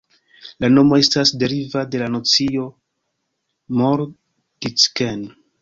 La nomo estas derivita de la nocio "moor-dicken".